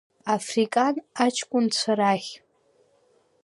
Африкан аҷкәынцәа рахь.